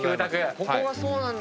ここがそうなんだ。